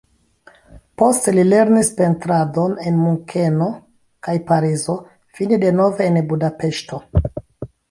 Poste li lernis pentradon en Munkeno kaj Parizo, fine denove en Budapeŝto.